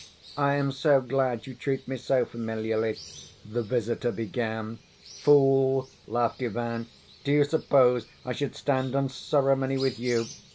"I am so glad you treat me so familiarly," the visitor began. "Fool," laughed Ivan, "do you suppose I should stand on ceremony with you?